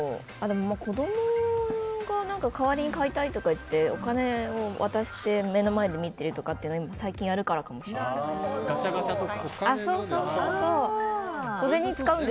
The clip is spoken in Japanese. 子供が代わりに買いたいとかってお金を渡して目の前で見ているとかを最近あるからかもしれません。